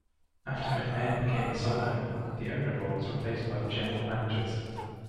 After McMahon became the sole owner, the owner role was replaced by "General Managers".